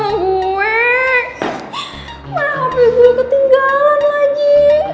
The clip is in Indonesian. mana hp gue ketinggalan lagi